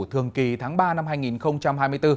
thường kỳ tháng ba năm hai nghìn hai mươi bốn